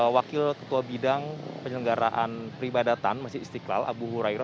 wakil ketua bidang penyelenggaraan peribadatan masjid istiqlal abu hurairah